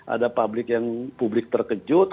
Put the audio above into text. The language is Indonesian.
ada publik yang publik terkejut